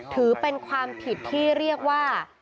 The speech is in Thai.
ถือเป็นความผิดที่เรียกว่า